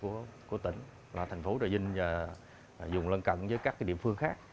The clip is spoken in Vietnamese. cái vùng du lịch trọng tâm của tỉnh là thành phố trà vinh và vùng lân cận với các địa phương khác